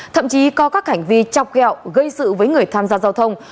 thậm chí có các hành vi chọc gẹo gây sự với người tham gia giao thông